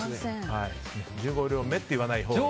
１５両目って言わないほうが。